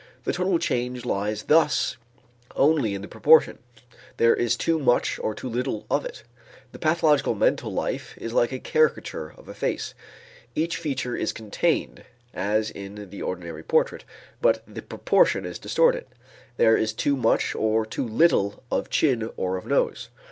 The total change lies thus only in the proportion; there is too much or too little of it. The pathological mental life is like a caricature of a face each feature is contained, as in the ordinary portrait, but the proportion is distorted, there is too much or too little of chin or of nose.